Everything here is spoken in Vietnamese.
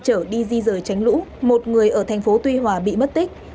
chở đi di rời tránh lũ một người ở thành phố tuy hòa bị mất tích